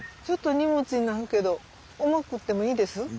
ちょっと荷物になるけど重くってもいいです？